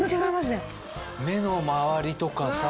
目の周りとかさ